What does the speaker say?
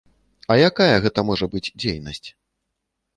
А якая гэта можа быць дзейнасць?